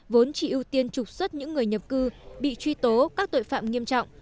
vốn chỉ ưu tiên trục xuất những người nhập cư bị truy tố các tội phạm nghiêm trọng